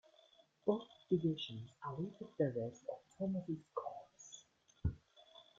Both divisions awaited the rest of Thomas's corps.